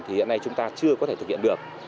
thì hiện nay chúng ta chưa có thể thực hiện được